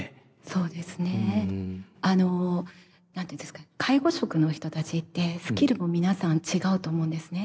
そうですね何て言うんですか介護職の人たちってスキルも皆さん違うと思うんですね。